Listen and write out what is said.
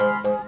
kok turun bang